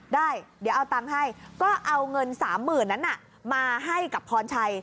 ได้เดี๋ยวเอาตังให้ก็เอาเงินสามหมื่นนั้นน่ะมาให้กับพรชัย